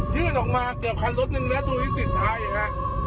ที่ก็ต้องมาเกือบคันรถหนึ่งนะดูที่สิทธิ์ท้ายอีกฮะ